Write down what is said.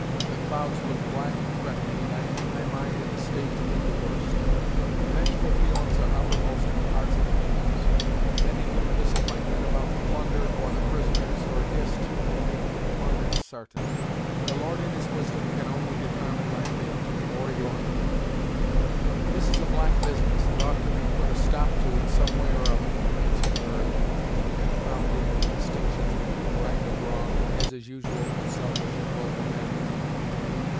The clouds look black and threatening, and I keep my mind in a state to meet the worst. Vengeful feelin's are uppermost in the hearts of the Mingos, and any little disapp'intment about the plunder, or the prisoners, or Hist, may make the torments sartain. The Lord, in his wisdom, can only detarmine my fate, or your'n!" "This is a black business, and ought to be put a stop to in some way or other " answered Hurry, confounding the distinctions between right and wrong, as is usual with selfish and vulgar men.